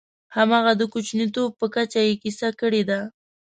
همغه د کوچنیتوب په کچه یې کیسه کړې ده.